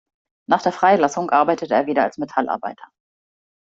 Nach der Freilassung arbeitete er wieder als Metallarbeiter.